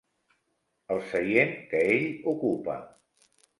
El seient que ell ocupa.